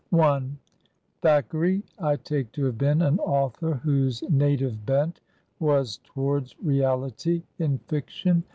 Thackeray I take to have been an author whose na tive bent was towards reality in fiction.